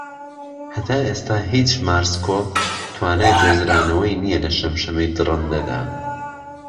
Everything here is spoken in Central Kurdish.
هەتا ئێستا، هیچ مارس-کۆڤ توانای دۆزرانەوەی نیە لە شەمشەمەی دڕندەدا.